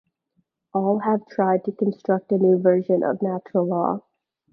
All have tried to construct a new version of natural law.